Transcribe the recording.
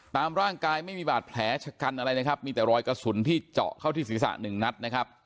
ตามร่างกายไม่มีบาดแผลชะกันอะไรนะครับมีแต่รอยกระสุนที่เจาะเข้าที่ศีรษะหนึ่งนัดนะครับ